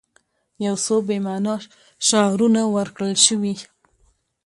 یو څو بې معنا شعارونه ورکړل شوي.